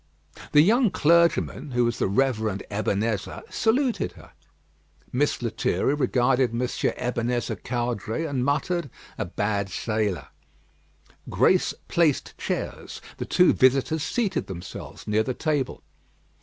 The young clergyman, who was the Rev. Ebenezer, saluted her. Mess Lethierry regarded Monsieur Ebenezer Caudray, and muttered, "A bad sailor." Grace placed chairs. The two visitors seated themselves near the table.